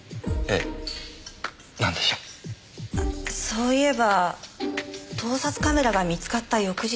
そういえば盗撮カメラが見つかった翌日。